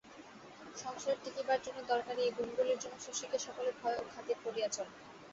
সংসারে টিকিবার জন্য দরকারি এই গুণগুলির জন্য শশীকে সকলে ভয় ও খাতির করিয়া চলে।